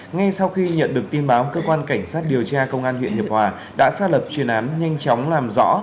ngay sau khi nhận được tin báo cơ quan cảnh sát điều tra công an huyện hiệp hòa đã xác lập chuyên án nhanh chóng làm rõ